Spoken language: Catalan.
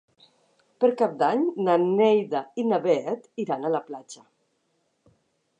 Per Cap d'Any na Neida i na Bet iran a la platja.